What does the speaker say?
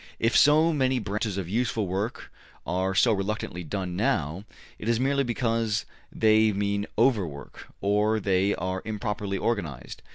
If so many branches of useful work are so reluctantly done now, it is merely because they mean overwork, or they are improperly organized.